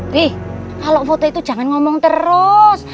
wih kalau foto itu jangan ngomong terus